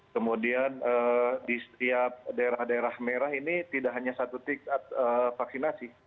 kemudian di setiap daerah daerah merah ini tidak hanya satu tik up vaksinasi